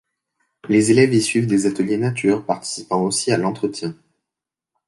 Les élèves y suivent des ateliers nature, participant aussi à l’entretien.